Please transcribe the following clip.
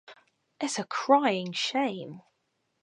It’s a crying shame!